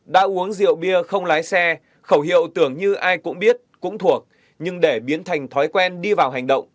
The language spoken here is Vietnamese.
đã uống rượu bia không lái xe khẩu hiệu tưởng như ai cũng biết cũng thuộc nhưng để biến thành thói quen đi vào hành động